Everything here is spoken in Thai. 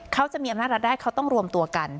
เขาจะมีอำนาจรัฐได้เขาต้องรวมตัวกัน